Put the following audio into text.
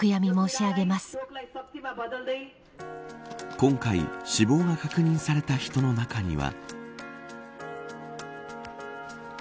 今回死亡が確認された人の中には。